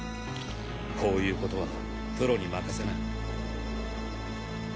こういうことはプロに任せな。